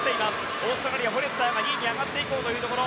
オーストラリア、フォレスターが２位に上がっていこうというところ。